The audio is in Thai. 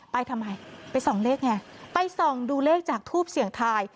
ไปทำไมไปส่องเลขไงไปส่องดูเลขจากทูปเสี่ยงทาย